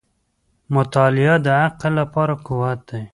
• مطالعه د عقل لپاره قوت دی.